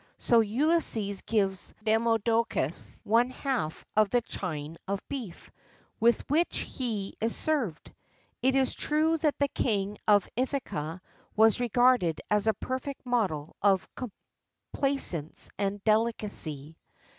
So Ulysses gives Demodochus one half of the "chine of beef" with which he is served.[XXXIV 4] It is true that the King of Ithaca was regarded as a perfect model of complaisance and delicacy.